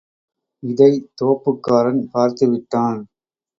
இதைத் தோப்புக்காரன் பார்த்துவிட்டான்.